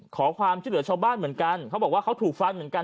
ขอความช่วยเหลือชาวบ้านเหมือนกันเขาบอกว่าเขาถูกฟันเหมือนกัน